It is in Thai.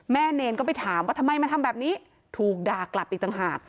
เนรก็ไปถามว่าทำไมมาทำแบบนี้ถูกด่ากลับอีกต่างหาก